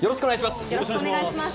よろしくお願いします。